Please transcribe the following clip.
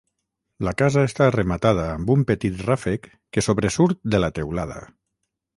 La casa està rematada amb un petit ràfec que sobresurt de la teulada.